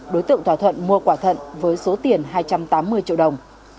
đối tượng thỏa thuận mua quả thận với số tiền hai trăm tám mươi triệu đồng